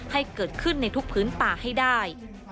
ให้เกิดขึ้นในทุกพื้นป่าให้ได้